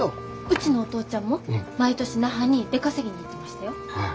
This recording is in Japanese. うちのお父ちゃんも毎年那覇に出稼ぎに行ってましたよ。